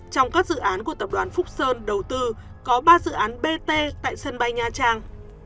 trong các dự án của tập đoàn phúc sơn đầu tư có ba dự án bt tại sân bay nha trang